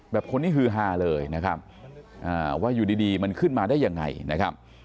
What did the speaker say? คนนี้ฮือฮาเลยนะครับว่าอยู่ดีมันขึ้นมาได้ยังไงนะครับ